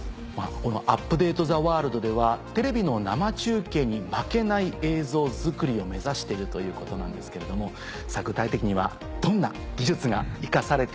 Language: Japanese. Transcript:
この『Ｕｐｄａｔｅｔｈｅｗｏｒｌｄ』ではテレビの生中継に負けない映像作りを目指しているということなんですけれども具体的にはどんな技術が生かされているのか。